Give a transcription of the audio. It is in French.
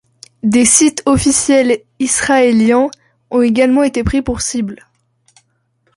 Des sites officiels israéliens ont également été pris pour cible.